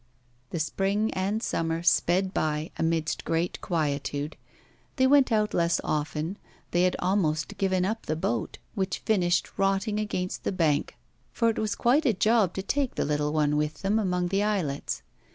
The spring and summer sped by amidst great quietude. They went out less often; they had almost given up the boat, which finished rotting against the bank, for it was quite a job to take the little one with them among the islets.